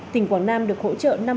tỉnh quảng nam được hỗ trợ